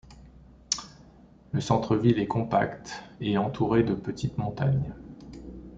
Le centre-ville est compact et entouré de petites montagnes.